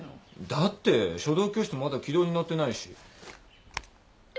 だって書道教室まだ軌道に乗ってないし。